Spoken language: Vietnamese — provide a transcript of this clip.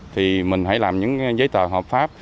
thì mình hãy làm những giấy tờ hợp pháp